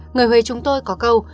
người huế chúng tôi có câu